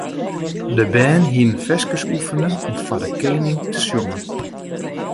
De bern hiene ferskes oefene om foar de koaning te sjongen.